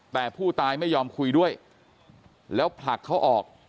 แต่ผู้ตายไม่ยอมคุยด้วยแล้วผลักเขาออก